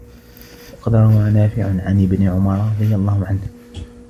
وَقَدْ رَوَى نَافِعٌ عَنْ ابْنِ عُمَرَ رَضِيَ اللَّهُ عَنْهُ